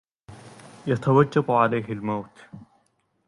يتوجب عليه الموت